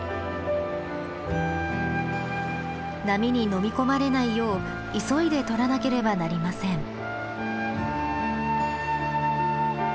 波に飲み込まれないよう急いで採らなければなりません。